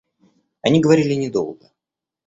Они говорили недолго.